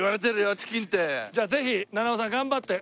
じゃあぜひ菜々緒さん頑張って。